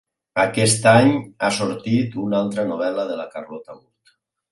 Aquest any ha sortit una altra novel·la de la Carlota Gurt.